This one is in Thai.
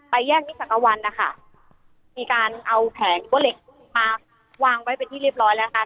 แยกมิสักวันนะคะมีการเอาแผงรั้วเหล็กมาวางไว้เป็นที่เรียบร้อยแล้วค่ะ